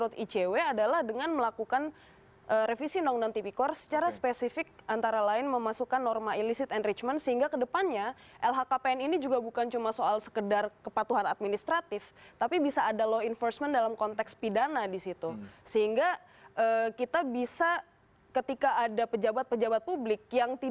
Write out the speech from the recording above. terima kasih banyak mbak